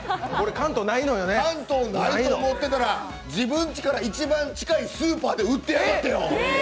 関東ないなって思ってたら自分ちから一番近いスーパーで売ってやがったのよ。